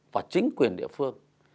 và chính quyền địa phương